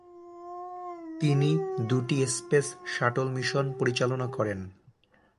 তিনি দুটি space shuttle mission পরিচালনা করেন।